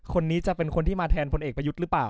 คนนี้จะเป็นคนที่มาแทนพลเอกประยุทธ์หรือเปล่า